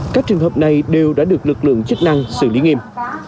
các trường hợp này đều đã được lực lượng chức năng xử lý nghiêm